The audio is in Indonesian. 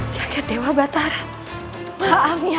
jangan lupa like share dan subscribe ya